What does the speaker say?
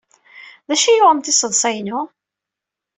D acu ay yuɣen tiseḍsa-inu?